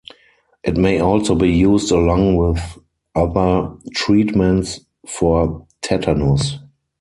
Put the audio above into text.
It may also be used along with other treatments for tetanus.